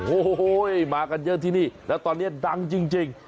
โอ้โหมากันเยอะที่นี่แล้วตอนนี้ดังจริง